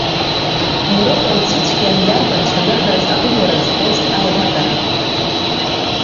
Мрыҟәа ицәыцәгьан иарбан цәанырраз аԥыжәара згоз аилыргара.